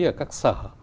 ở các sở